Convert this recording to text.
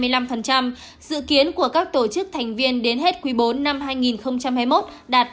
dự kiến của các tổ chức thành viên đến hết quý bốn năm hai nghìn hai mươi một đạt ba mươi năm